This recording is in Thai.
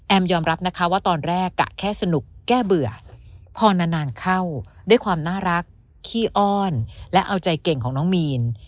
ยอมรับนะคะว่าตอนแรกแค่สนุกแก้เบื่อพอนานเข้าด้วยความน่ารักขี้อ้อนและเอาใจเก่งของน้องมีน